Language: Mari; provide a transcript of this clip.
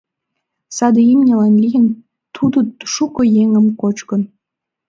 Саде имньылан лийын тудо шуко еҥым кочкын.